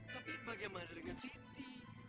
tapi bagaimana dengan siti